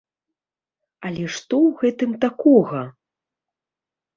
Але што ў гэтым такога?!